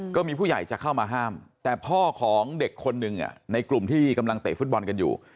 ก็มีผู้ใหญ่จะเข้ามาห้ามแต่พ่อของเด็กคนหนึ่งในกลุ่มที่กำลังเตะฟุตบอลกันอยู่